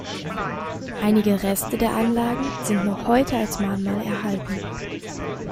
Einige Reste der Anlagen sind noch heute als Mahnmal erhalten.